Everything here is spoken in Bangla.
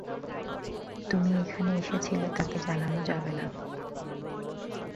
তুমি এখানে এসেছিলে তাকে জানানো যাবেনা।